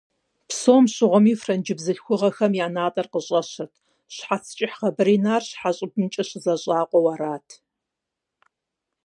Псом щыгъуэми франджы бзылъхугъэхэм я натӀэр къыщӀэщырт, щхьэц кӀыхь гъэбэринар щхьэ щӀыбымкӀэ щызэщӀакъуэу арат.